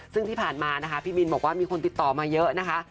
ซึ่งที่ผ่านมานะคะพี่บินบอกว่ามีคนติดต่อมาเยอะนะคะ